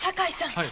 はい。